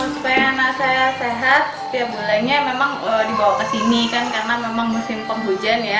supaya anak saya sehat setiap bulannya memang dibawa ke sini kan karena memang musim penghujan ya